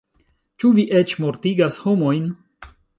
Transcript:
"Ĉu vi eĉ mortigas homojn?"